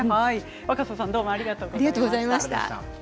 若狭さんありがとうございました。